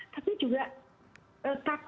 tapi juga takut